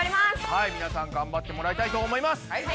皆さんがんばってもらいたいと思います。